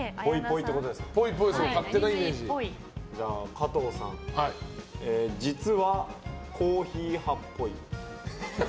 加藤さん実はコーヒー派っぽい。